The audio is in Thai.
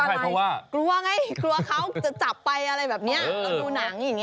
กลัวไงเค้าจะจับไปอะไรแบบนี้